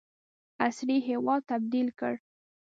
عصري هیواد تبدیل کړ.